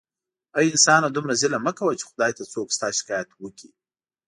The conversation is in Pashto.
اې انسانه دومره ظلم مه کوه چې خدای ته څوک ستا شکایت وکړي